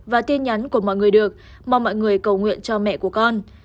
và tin nhắn của mọi người được mong mọi người cầu nguyện cho mẹ của con